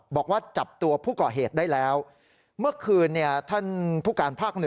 บอกว่าจับตัวผู้ก่อเหตุได้แล้วเมื่อคืนท่านผู้การภาค๑